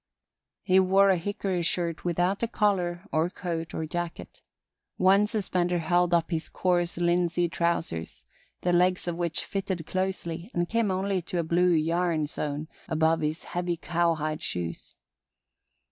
... He wore a hickory shirt without a collar or coat or jacket. One suspender held up his coarse, linsey trousers, the legs of which fitted closely and came only to a blue yarn zone above his heavy cowhide shoes.